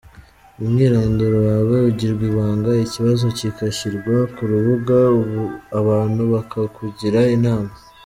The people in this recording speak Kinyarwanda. Umwirondoro wawe ugirwa ibanga, ikibazo kigashyirwa ku rubuga, abantu bakakugira inama.